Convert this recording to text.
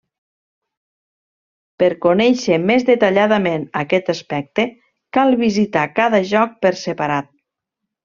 Per conèixer més detalladament aquest aspecte, cal visitar cada joc per separat.